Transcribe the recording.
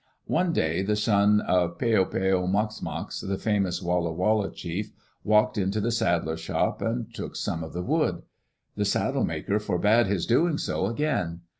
One day the son of Peo peo mox mox, the famous Walla Walla chief, walked into the saddler's shop and took some of the wood. The saddle maker forbade his doing so again.